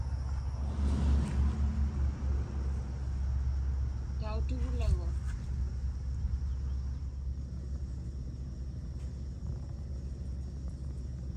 Tautuglagu.